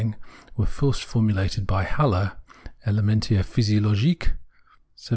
were first formulated by Haller, Elementa Physiologiae (1757 66).